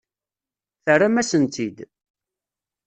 Terram-asen-tt-id.